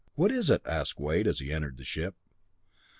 What is it?" asked Wade as he entered the ship.